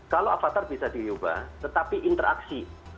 kalau avatar bisa diubah tetapi interaksi